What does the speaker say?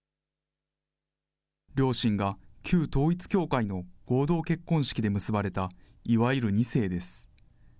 両親が旧統一教会の合同結婚式で結ばれた、いわゆる２世です。